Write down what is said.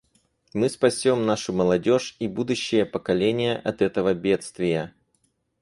Мы спасем нашу молодежь и будущие поколения от этого бедствия.